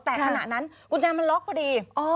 แต่ขณะนั้นกุญแจมันล็อกพอดี